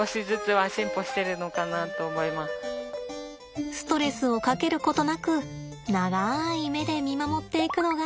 ストレスをかけることなく長い目で見守っていくのがいいみたい。